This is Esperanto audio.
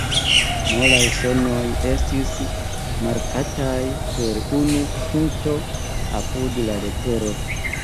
Molaj sonoj estis markataj per unu punkto apud la letero.